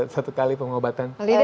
satu kali pengobatan